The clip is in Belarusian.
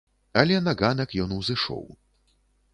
Але на ганак ён узышоў.